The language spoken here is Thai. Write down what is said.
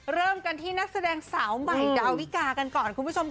เริ่มกันที่นักแสดงสาวใหม่ดาวิกากันก่อนคุณผู้ชมค่ะ